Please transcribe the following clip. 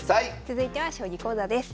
続いては将棋講座です。